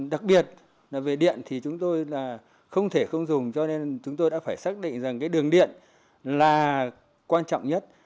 đặc biệt là về điện thì chúng tôi là không thể không dùng cho nên chúng tôi đã phải xác định rằng cái đường điện là quan trọng nhất